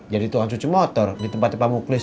jadi tukang cuci motor di tempat tempat muklis